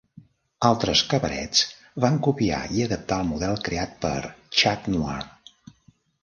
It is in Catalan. Altres cabarets van copiar i adaptar el model creat pel "Chat Noir".